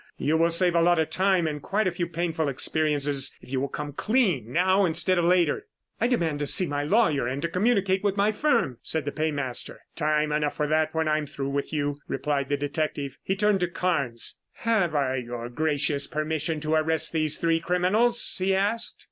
You will save a lot of time and quite a few painful experiences if you will come clean now instead of later." "I demand to see my lawyer and to communicate with my firm," said the paymaster. "Time enough for that when I am through with you," replied the detective. He turned to Carnes. "Have I your gracious permission to arrest these three criminals?" he asked.